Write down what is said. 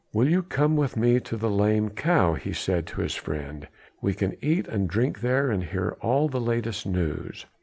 "Will you come with me to the 'Lame Cow,'" he said to his friend, "we can eat and drink there and hear all the latest news.